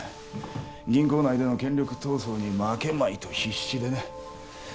銀行内での権力闘争に負けまいと必死でね